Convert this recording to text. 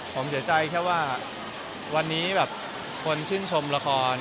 ผมเสียใจแค่ว่าวันนี้แบบคนชื่นชมละคร